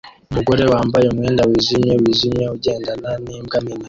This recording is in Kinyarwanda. Umugore wambaye umwenda wijimye wijimye ugendana nimbwa nini